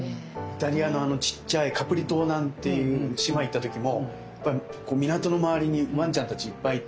イタリアのちっちゃいカプリ島なんていう島行った時もやっぱり港の周りにわんちゃんたちいっぱいいて。